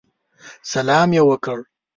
سلام یې وکړ.